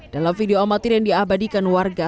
dalam video amatir yang diabadikan warga